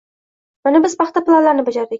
Mana, biz paxta planlarini bajardik.